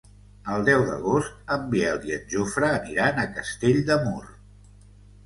El deu d'agost en Biel i en Jofre aniran a Castell de Mur.